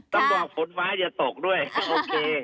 ต้องบอกฝนฟ้าจะตกด้วยโอเค